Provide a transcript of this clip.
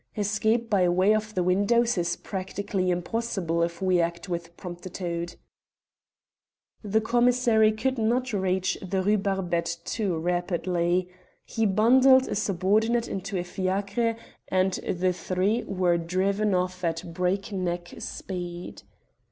Escape by way of the windows is practically impossible if we act with promptitude." The commissary could not reach the Rue Barbette too rapidly. He bundled a subordinate into a fiacre, and the three were driven off at breakneck speed.